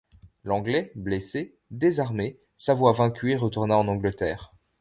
L'anglais, blessé, désarmé, s'avoua vaincu et retourna en Angleterre.